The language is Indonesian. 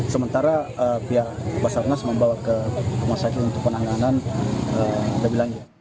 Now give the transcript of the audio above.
sementara pihak basarnas membawa ke rumah sakit untuk penanganan lebih lanjut